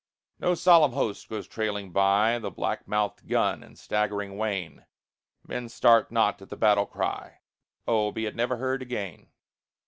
No solemn host goes trailing by The black mouthed gun and staggering wain; Men start not at the battle cry Oh, be it never heard again!